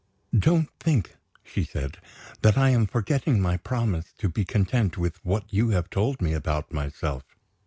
"Don't think," she said, "that I am forgetting my promise to be content with what you have told me about myself.